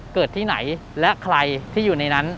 เกิดที่ไหนและใครที่อยู่ในนั้น